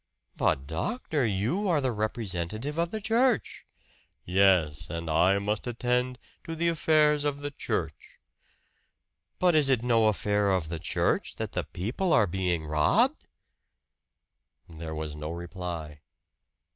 "But, doctor, you are the representative of the church!" "Yes. And I must attend to the affairs of the church." "But is it no affair of the church that the people are being robbed?" There was no reply.